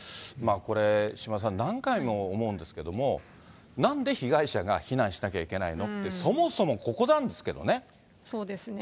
これ、島田さん、何回も思うんですけれども、なんで被害者が避難しなきゃいけないのって、そもそもここなんでそうですね。